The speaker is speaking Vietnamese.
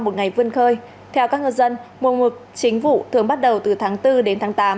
một ngày vươn khơi theo các ngư dân mùa mực chính vụ thường bắt đầu từ tháng bốn đến tháng tám